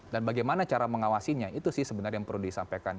dan bagaimana cara mengawasinya itu sih sebenarnya yang perlu disampaikan